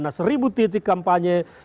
nah seribu titik kampanye